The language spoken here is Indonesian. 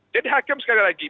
jadi hakim sekali lagi